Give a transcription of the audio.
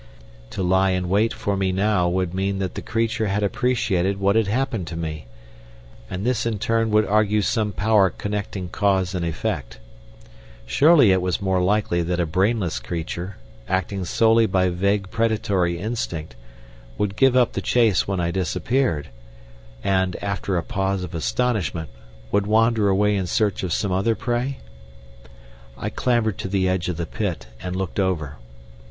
To lie in wait for me now would mean that the creature had appreciated what had happened to me, and this in turn would argue some power connecting cause and effect. Surely it was more likely that a brainless creature, acting solely by vague predatory instinct, would give up the chase when I disappeared, and, after a pause of astonishment, would wander away in search of some other prey? I clambered to the edge of the pit and looked over.